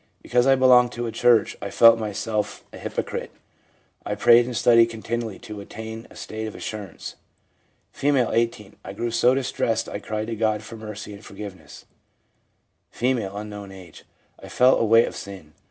Because I belonged to church I felt myself a hypocrite. I prayed and studied continually to attain a state of assurance/ F., 18. 'I grew so distressed I cried to God for mercy and forgiveness/ F., —.' I felt a weight of sin.